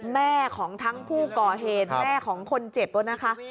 แม่ของทั้งผู้ก่อเหตุแม่ของคนเจ็บนะคะ